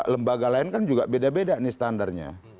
lembaga lain kan juga beda beda nih standarnya